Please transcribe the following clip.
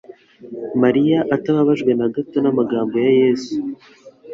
Mariya atababajwe na gato n'amagambo ya Yesu,